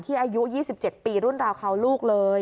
อายุ๒๗ปีรุ่นราวเขาลูกเลย